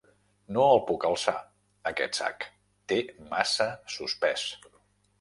No el puc alçar, aquest sac: té massa sospès.